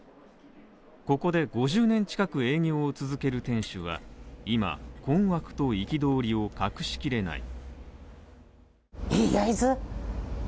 ここで５０年近く営業を続ける店主は、今、困惑と憤りを隠しきれない。